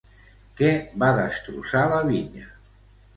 Què va destrossar la vinya?